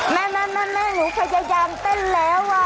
แม่หนูพยายามเต้นแล้ว